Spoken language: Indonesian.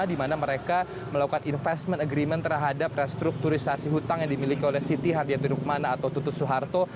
di mana mereka melakukan investment agreement terhadap restrukturisasi hutang yang dimiliki oleh siti haryadi rukmana atau tutut suharto